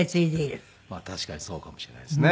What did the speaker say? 確かにそうかもしれないですね。